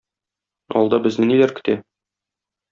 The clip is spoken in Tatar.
Алда безне ниләр көтә?